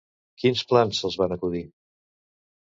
Quins plans se'ls van acudir?